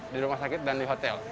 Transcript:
di rumah sakit dan di hotel